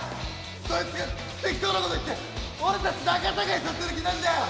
そいつが適当な事言って俺たち仲たがいさせる気なんだよ！